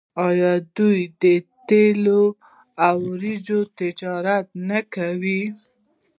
آیا دوی د تیلو او وریجو تجارت نه کوي؟